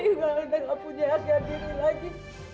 ibu tidak punya akhir diri lagi